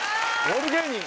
オール芸人！